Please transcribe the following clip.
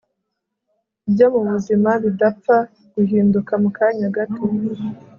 byo mu buzima bidapfa guhinduka mu kanya gato